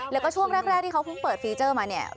แล้วก็ช่วงแรกที่เขาเพิ่งเปิดฟีเจอร์มาเนี่ย